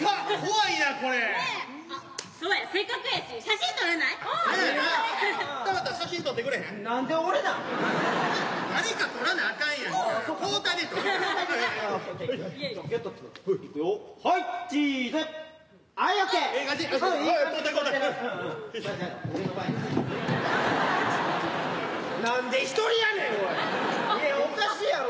いやいやおかしいやろ。